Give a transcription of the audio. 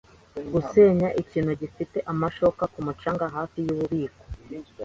gusenya ikintu gifite amashoka ku mucanga hafi yububiko